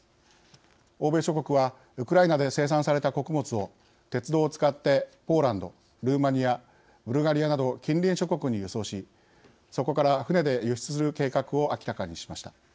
欧米諸国はウクライナで生産された穀物を鉄道を使ってポーランド、ルーマニアブルガリアなど近隣諸国に輸送しそこから船で輸出する計画を明らかにしました。